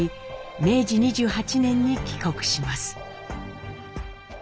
明治２８年に帰国します。